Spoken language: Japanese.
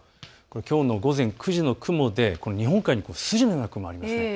きょうの午前９時の雲で日本海に筋のような雲がありますね。